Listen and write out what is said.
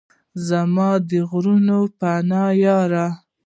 زما د غرونو پناه یاره!